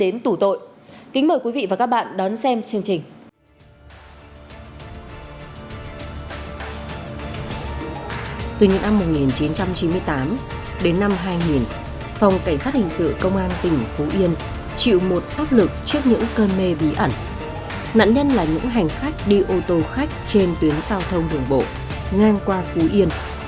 nạn nhân là những hành khách đi ô tô khách trên tuyến giao thông đường bộ ngang qua phú yên